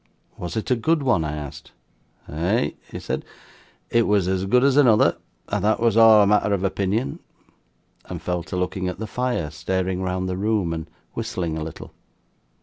"Was it a good one?" I asked. "Ey!" he said, "it was as good as anoother; that was a' a matther of opinion"; and fell to looking at the fire, staring round the room, and whistling a little.